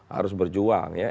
harus berjuang ya